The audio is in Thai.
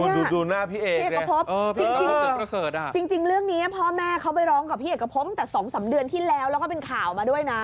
ดูดูหน้าพี่เอกเลยเออพี่เอกกระเสริฐอ่ะจริงจริงเรื่องนี้พ่อแม่เขาไปร้องกับพี่เอกกระพบตั้งสองสามเดือนที่แล้วแล้วก็เป็นข่าวมาด้วยน่ะอ๋อ